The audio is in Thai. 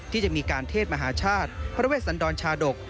ที่จะมีการเทศมหาชาติพระเวชสันดรชาดก